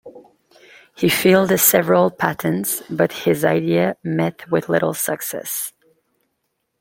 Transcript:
He filed several patents but his ideas met with little success.